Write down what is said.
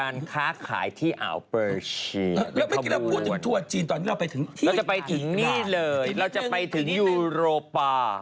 เราจะไปถึงนี่เลยเราจะไปถึงยูโรปา